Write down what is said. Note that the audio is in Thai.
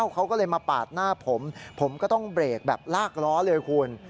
เขาก็เลยมาปาดหน้าผมผมก็ต้องเบรกแบบลากล้อเลยคุณ